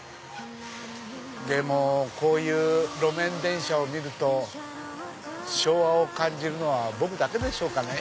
でもこういう路面電車を見ると昭和を感じるのは僕だけでしょうかね。